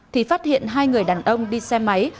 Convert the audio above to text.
thì phát hiện hai người đàn ông đi xe máy